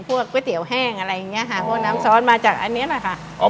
พวกก๋วยเตี๋ยวแห้งอะไรอย่างเงี้ยฮะพวกน้ำซอสมาจากอันนี้แหละค่ะอ๋อ